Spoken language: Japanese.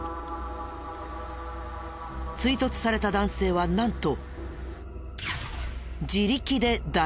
追突された男性はなんと。